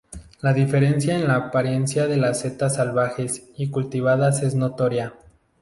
La diferencia en la apariencia de las setas salvajes y cultivadas es notoria.